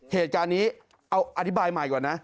เหตุการณ์นี้เอาอธิบายใหม่ก่อนนะ